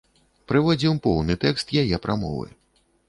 Прыводзім поўны тэкст яе прамовы.